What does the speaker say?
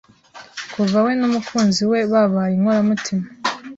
Kuva we n'umukunzi we babaye inkoramutima